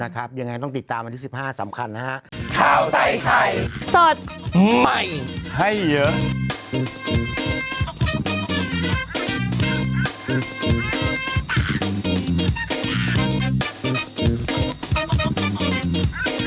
โปรดติดตามตอนต่อไป